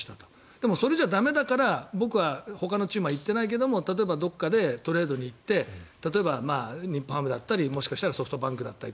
でもそれじゃ駄目だから僕はほかのチームは行ってないけど例えばどこかでトレードで行って日本ハムだったりもしかしたらソフトバンクだったり。